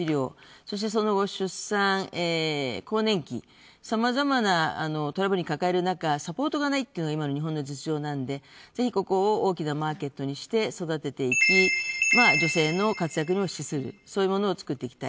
そして、その後、出産更年期、さまざまなトラブルを抱える中サポートがないというのが日本の実情なのでぜひ、ここを大きなマーケットにして育てていき、女性の活躍にも資する、そこにつなげていきたい。